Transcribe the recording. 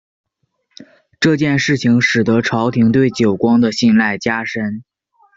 这件事情使得朝廷对久光的信赖加深。